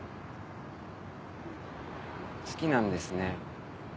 好きなんですね